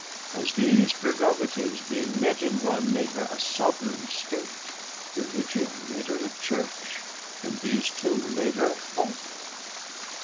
As these prerogatives being met in one, Made her a soveraigne State; religion Made her a Church; and these two made her all.